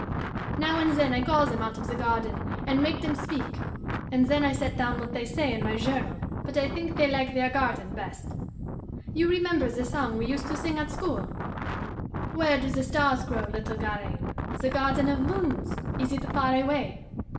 Now and then I call them out of the garden and make them speak, and then I set down what they say in my journal; but I think they like their garden best. You remember the song we used to sing at school? "'Where do the stars grow, little Garaine? The garden of moons, is it far away?